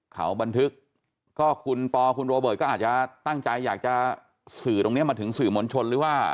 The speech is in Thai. เขาบันทึกก็คุณปอคุณโรเบิร์ตก็อาจจะตั้งใจอยากจะสื่อตรงนี้มาถึงสื่อมวลชนหรือว่า